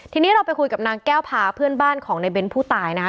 ทีนี้เราไปคุยกับนางแก้วพาเพื่อนบ้านของในเบ้นผู้ตายนะคะ